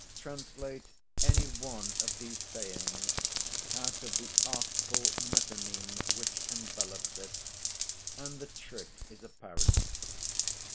Translate any one of these sayings out of the artful metonyme which envelops it, and the trick is apparent.